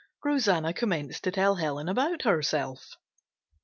Rosanna commenced to tell Helen about herself.